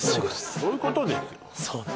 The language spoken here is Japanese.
そういうことですよ